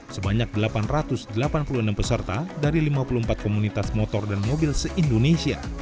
sebanyak delapan ratus delapan puluh enam peserta dari lima puluh empat komunitas motor dan mobil se indonesia